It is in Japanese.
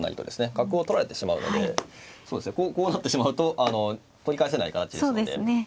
角を取られてしまうのでこうなってしまうと取り返せない形ですので。